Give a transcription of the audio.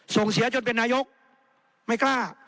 ส่งเสียจนเป็นนายกไม่กล้า